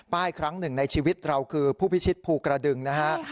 ครั้งหนึ่งในชีวิตเราคือผู้พิชิตภูกระดึงนะฮะ